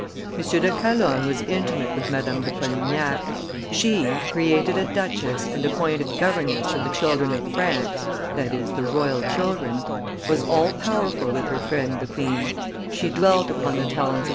M. de Calonne was intimate with Madame de Polignac; she, created a duchess and appointed governess to the children of France (the royal children), was all powerful with her friend the queen; she dwelt upon the talents of M.